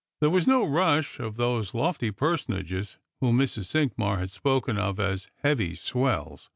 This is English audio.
There was no rush of those lofty personages whom Mrs. Cinqmars had spoken of as " heavy swells."